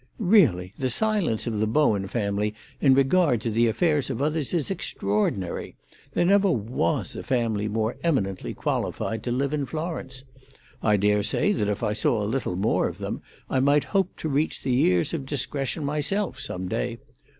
"Really, the silence of the Bowen family in regard to the affairs of others is extraordinary. There never was a family more eminently qualified to live in Florence. I dare say that if I saw a little more of them, I might hope to reach the years of discretion myself some day.